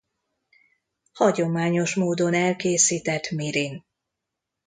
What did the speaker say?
Hagyományos módon elkészített mirin.